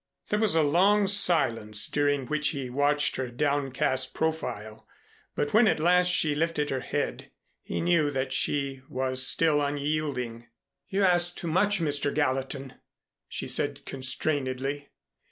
There was a long silence during which he watched her downcast profile, but when at last she lifted her head, he knew that she was still unyielding. "You ask too much, Mr. Gallatin," she said constrainedly.